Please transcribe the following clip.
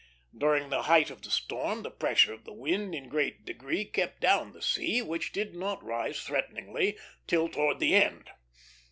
During the height of the storm the pressure of the wind in great degree kept down the sea, which did not rise threateningly till towards the end.